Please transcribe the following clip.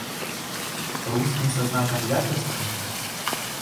Рускім са знакам якасці?